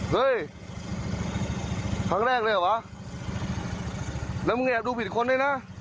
เฮ้ยครั้งแรกเลยเหรอวะแล้วมึงแอบดูผิดคนด้วยนะ